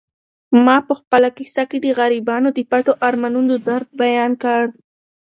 ما په خپله کیسه کې د غریبانو د پټو ارمانونو درد بیان کړ.